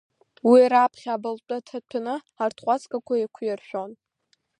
Уи раԥхьа абылтәы ҭаҭәаны, арҭҟәацгақәа еиқәиршәон.